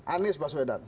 anis pak swedan